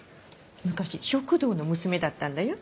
昔食堂の娘だったんだよ。